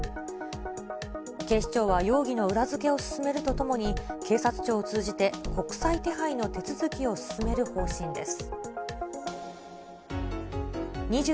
警視庁は容疑の裏付けを進めるとともに、警察庁を通じて、国際手配の手続きを進める方針です。